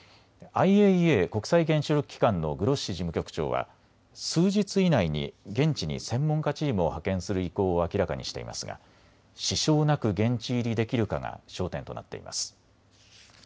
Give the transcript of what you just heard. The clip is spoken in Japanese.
ＩＡＥＡ・国際原子力機関のグロッシ事務局長は数日以内に現地に専門家チームを派遣する意向を明らかにしていますが支障なく現地入りできるかが焦点となっています。